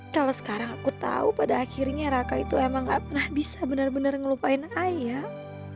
kalau sekarang aku tahu pada akhirnya raka itu emang gak pernah bisa benar benar ngelupain ayam